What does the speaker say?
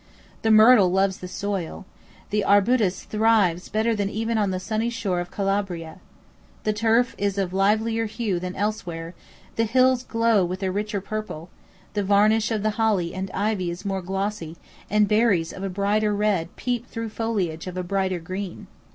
The myrtle loves the soil. The arbutus thrives better than even on the sunny shore of Calabria, The turf is of livelier hue than elsewhere: the hills glow with a richer purple: the varnish of the holly and ivy is more glossy; and berries of a brighter red peep through foliage of a brighter green.